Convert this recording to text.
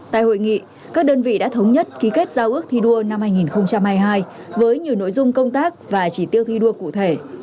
tại hội nghị các đơn vị đã thống nhất ký kết giao ước thi đua năm hai nghìn hai mươi hai với nhiều nội dung công tác và chỉ tiêu thi đua cụ thể